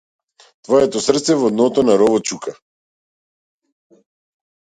Твоето срце во дното на ровот чука.